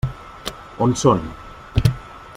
On són?